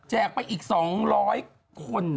แจกไปอีก๒๐๐คน